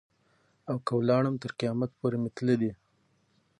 او که ولاړم تر قیامت پوري مي تله دي.